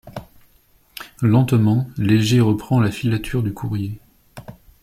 Lentement, Léger reprend la filature du courrier.